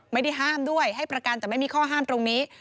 ไม่ได้ห้ามด้วยให้ประกันแต่ไม่มีข้อห้ามตรงนี้